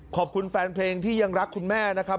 ขอบคุณแฟนเพลงที่ยังรักคุณแม่นะครับ